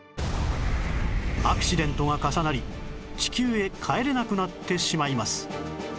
アクシデントが重なり地球へ帰れなくなってしまいます